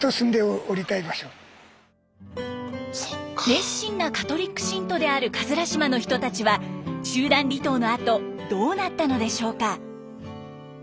熱心なカトリック信徒である島の人たちは集団離島のあとどうなったのでしょうか？